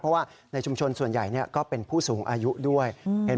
เพราะว่าในชุมชนส่วนใหญ่ก็เป็นผู้สูงอายุด้วย